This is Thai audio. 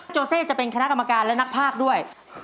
โเซ่จะเป็นคณะกรรมการและนักภาคด้วย